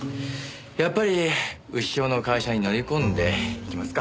やっぱり潮の会社に乗り込んで行きますか。